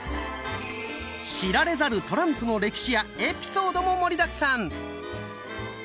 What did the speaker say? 知られざるトランプの歴史やエピソードも盛りだくさん！